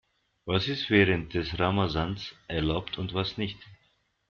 Was ist während des Ramadans erlaubt und was nicht?